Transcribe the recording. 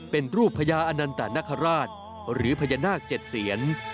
เป็นรูปพญาอนันตนคราชหรือพญานาค๗เสียน